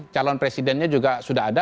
calon presidennya juga sudah ada